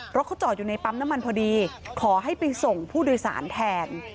รถเขาจอดอยู่ในปั๊มน้ำมันพอดีขอให้ไปส่งผู้โดยสารแทน